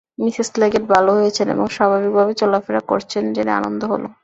Mrs Leggett ভাল হয়েছেন এবং স্বাভাবিক ভাবে চলাফেরা করছেন জেনে আনন্দ হল।